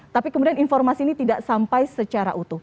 tapi kemudian informasi ini tidak sampai secara utuh